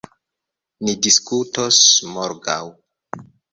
Ni diskutos morgaŭ.